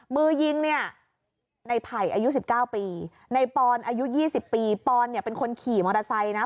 มือยิงเนี่ยในไผ่อายุ๑๙ปีในปอนอายุ๒๐ปีปอนเนี่ยเป็นคนขี่มอเตอร์ไซค์นะ